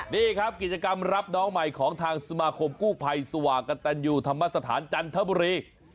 นี่ครับกิจกรรมรับน้องใหม่ของทางสมาคมกู่ไพรสวากตันอยู่ทะมาสธานจันทบุรี